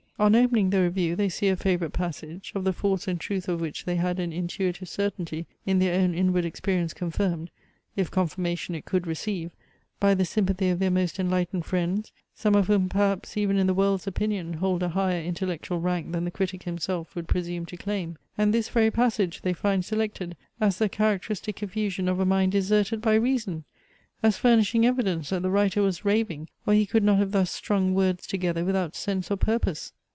On opening the review they see a favourite passage, of the force and truth of which they had an intuitive certainty in their own inward experience confirmed, if confirmation it could receive, by the sympathy of their most enlightened friends; some of whom perhaps, even in the world's opinion, hold a higher intellectual rank than the critic himself would presume to claim. And this very passage they find selected, as the characteristic effusion of a mind deserted by reason! as furnishing evidence that the writer was raving, or he could not have thus strung words together without sense or purpose!